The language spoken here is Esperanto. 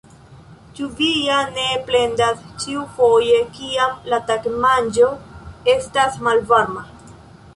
Ĉu vi ja ne plendas ĉiufoje, kiam la tagmanĝo estas malvarma?